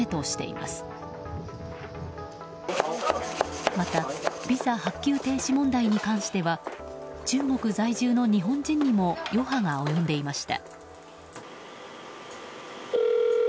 またビザ発給停止問題に関しては中国在住の日本人にも余波が及んでいました。